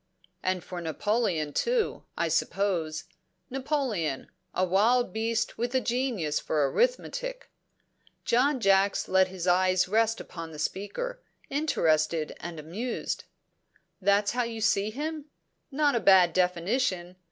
"And for Napoleon, too, I suppose. Napoleon a wild beast with a genius for arithmetic." John Jacks let his eyes rest upon the speaker, interested and amused. "That's how you see him? Not a bad definition.